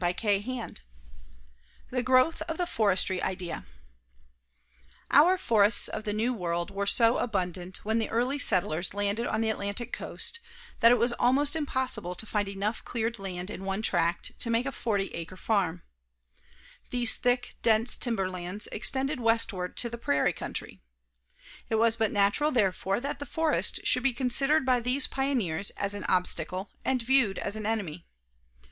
CHAPTER VIII THE GROWTH OF THE FORESTRY IDEA Our forests of the New World were so abundant when the early settlers landed on the Atlantic Coast that it was almost impossible to find enough cleared land in one tract to make a 40 acre farm. These thick, dense timberlands extended westward to the prairie country. It was but natural, therefore, that the forest should be considered by these pioneers as an obstacle and viewed as an enemy.